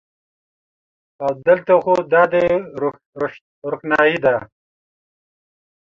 او د لته خو دادی روښنایې ده